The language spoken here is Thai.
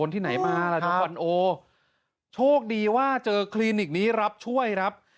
ตัวฟันโอโชคดีว่าเจอคลินิกนี้รับช่วย